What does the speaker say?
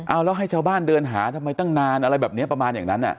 เอาแล้วให้ชาวบ้านเดินหาทำไมตั้งนานอะไรแบบนี้ประมาณอย่างนั้น